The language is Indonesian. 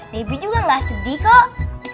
baby juga gak sedih kok